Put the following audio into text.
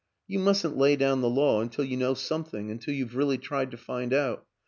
You mustn't lay down the law until you know some thing, until you've really tried to find out.